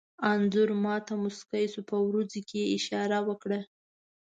انځور ما ته موسکی شو، په وروځو کې یې اشاره وکړه.